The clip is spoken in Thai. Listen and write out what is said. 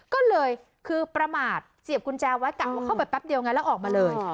ก็เลยคือประมาทเสียบกุญแจไว้กะว่าเข้าไปแป๊บเดียวไงแล้วออกมาเลย